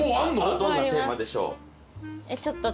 どんなテーマでしょう。